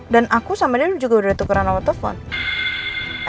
dan aku sama dia juga udah tukeran auto phone